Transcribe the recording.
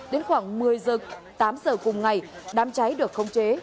đến khoảng một mươi h tám h cùng ngày đám cháy được không chế